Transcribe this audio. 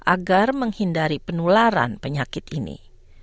agar menghindari penularan penyakit ini